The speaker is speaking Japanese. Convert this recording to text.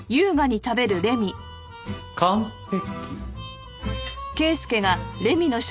完璧。